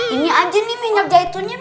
ini aja nih minyak jatuhnya